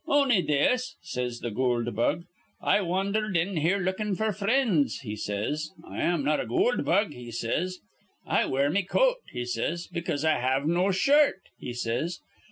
'On'y this,' says th' goold bug. 'I wandhered in here, lookin' f'r frinds,' he says. 'I am not a goold bug,' he says. 'I wear me coat,' he says, 'because I have no shirt,' he says.